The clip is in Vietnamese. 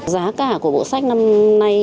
giá cả của bộ sách năm nay